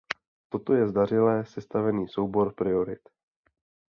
Toto je zdařile sestavený soubor priorit.